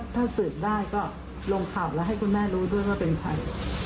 ถ้าสืบได้ก็ลงข่าวแล้วให้คุณแม่รู้ด้วยว่าเป็นใคร